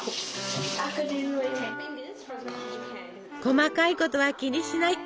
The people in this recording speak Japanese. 細かいことは気にしない！